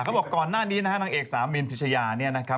ก็บอกก่อนหน้านี้ตัวเอกสาวมินพิชยา